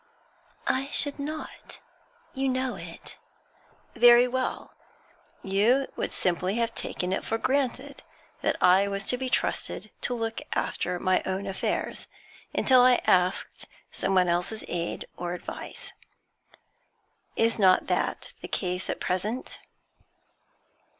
'I should not you know it.' 'Very well. You would simply have taken it for granted that I was to be trusted to look after my own affairs, until I asked someone else's aid or advice. Is not that the case at present?'